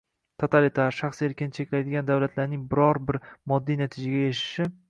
Totalitar, shaxs erkini cheklaydigan davlatlarning biror-bir moddiy natijaga erishishi